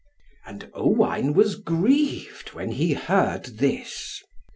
And Owain was grieved, when he heard this.